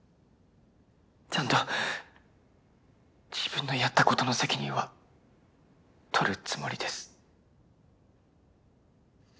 ちゃんと自分のやったことの責任は取るつもりです。